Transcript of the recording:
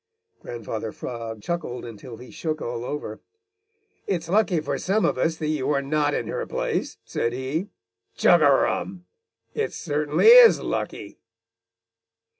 Grandfather Frog chuckled until he shook all over. "It's lucky for some of us that you are not in her place!" said he. "Chug a rum! It certainly is lucky!"